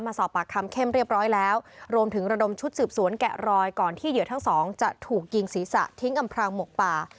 สอบปากคำเข้มเรียบร้อยแล้วรวมถึงระดมชุดสืบสวนแกะรอยก่อนที่เหยื่อทั้งสองจะถูกยิงศีรษะทิ้งอำพรางหมกป่า